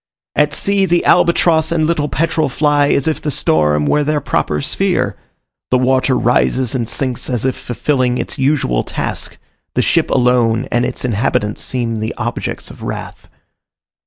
At sea the albatross and little petrel fly as if the storm were their proper sphere, the water rises and sinks as if fulfilling its usual task, the ship alone and its inhabitants seem the objects of wrath.